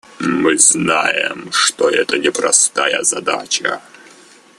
Мы знаем, что это непростая задача.